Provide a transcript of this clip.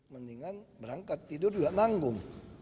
mendingan berangkat tidur juga nanggung